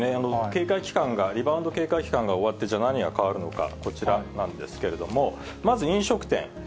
警戒期間が、リバウンド警戒期間が終わって、じゃあ何が変わるのか、こちらなんですけれども、まず、飲食店。